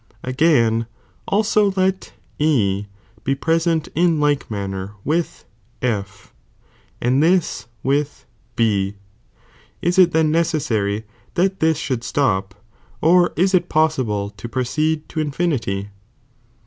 Again, also let E be present in like manner with F, ftod this with B, is it then necessary that this shoidd stop, or is it possible to proceed to infinity?'